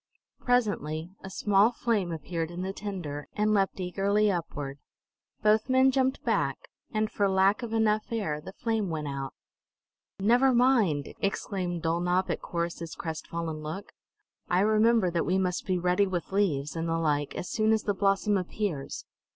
Presently a small flame appeared in the tinder, and leaped eagerly upward. Both men jumped back, and for lack of enough air the flame went out. "Never mind!" exclaimed Dulnop at Corrus's crestfallen look. "I remember that we must be ready with leaves, and the like, as soon as the blossom appears.